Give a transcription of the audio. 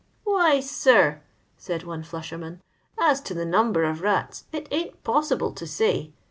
" Why, sir," said one flusherman, " as to the number of rats, it ain't possible to say.